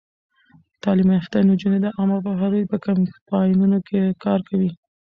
تعلیم یافته نجونې د عامه پوهاوي په کمپاینونو کې کار کوي.